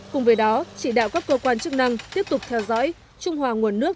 cùng với đó chỉ đạo các cơ quan chức năng tiếp tục theo dõi trung hòa nguồn nước